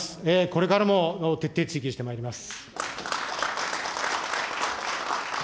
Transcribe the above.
これからも徹底追及してまいります。